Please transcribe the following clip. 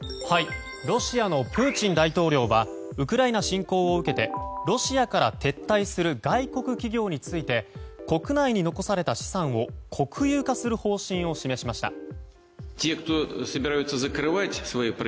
ロシアのプーチン大統領はウクライナ侵攻を受けてロシアから撤退する外国企業について国内に残された資産を国有化する方針を示しました。